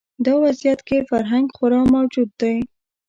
دا وضعیت کې فرهنګ خوار موجود دی